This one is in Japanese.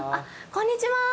こんにちは。